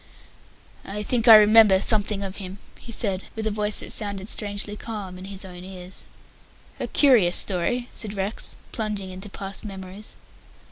"I think I remember something of him," he said, with a voice that sounded strangely calm in his own ears. "A curious story," said Rex, plunging into past memories.